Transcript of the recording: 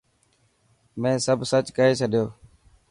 مين سب سچ ڪئي ڇڏيو.